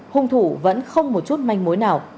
hung thủ vẫn không một chút manh mối nào